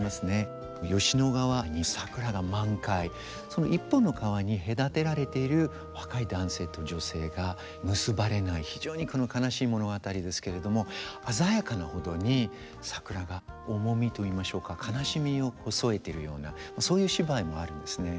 その一本の川に隔てられている若い男性と女性が結ばれない非常に悲しい物語ですけれども鮮やかなほどに桜が重みといいましょうか悲しみを添えてるようなそういう芝居もあるんですね。